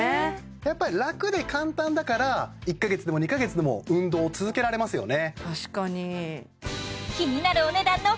やっぱり楽で簡単だから１カ月でも２カ月でも運動を続けられますよね